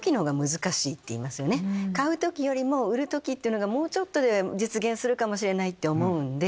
買う時よりも売る時っていうのがもうちょっとで実現するかもしれないと思うんで。